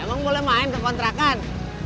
emang boleh main ke kontrakan